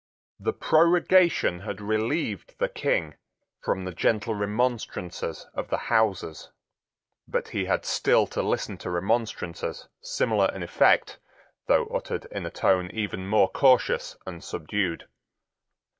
The prorogation had relieved the King from the gentle remonstrances of the Houses: but he had still to listen to remonstrances, similar in effect, though uttered in a tone even more cautious and subdued.